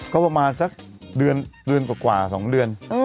ก็ประมาณสักเดือนกว่า๒เดือน